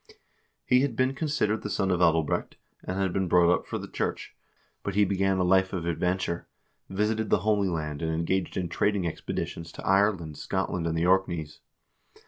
He had been con sidered the son of Adalbrecht, and had been brought up for the church, but he began a life of adventure, visited the Holy Land, and engaged in trading expeditions to Ireland, Scotland, and the Orkneys.